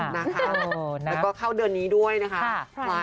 แล้วก็เข้าเดือนนี้ด้วยนะคะ